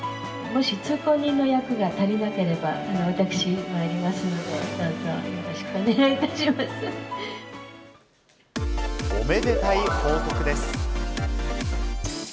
もし通行人の役が足りなければ、私、参りますので、どうぞよろしおめでたい報告です。